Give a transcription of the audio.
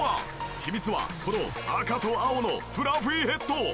秘密はこの赤と青のフラフィヘッド！